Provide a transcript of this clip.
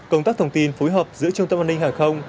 công tác thông tin phối hợp giữa trung tâm an ninh hàng không